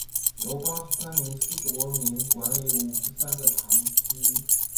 由八十三名司铎名管理五十三个堂区。